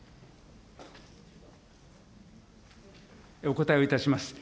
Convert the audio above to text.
お答えをいたします。